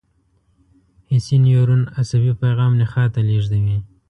حسي نیورون عصبي پیغام نخاع ته لېږدوي.